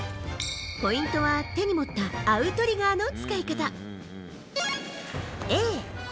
ポイントは手に持ったアウトリガーの使い方。